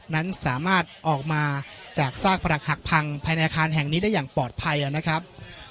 นั้นสามารถออกมาจากซากปรักหักพังภายในอาคารแห่งนี้ได้อย่างปลอดภัยนะครับ